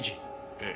ええ。